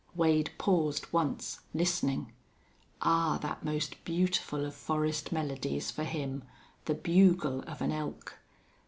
Wade paused once, listening. Ah! That most beautiful of forest melodies for him the bugle of an elk.